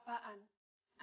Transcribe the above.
mas aku mau ke kamar